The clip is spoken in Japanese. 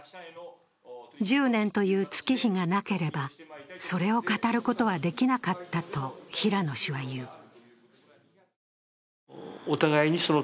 １０年という月日がなければ、それを語ることはできなかったと平野氏は言う。